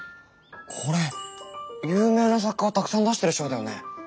これ有名な作家をたくさん出している賞だよね。